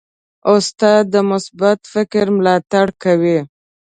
استاد د مثبت فکر ملاتړ کوي.